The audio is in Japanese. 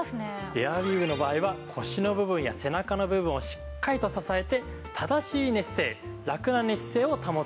エアウィーヴの場合は腰の部分や背中の部分をしっかりと支えて正しい寝姿勢ラクな寝姿勢を保つことができるんです。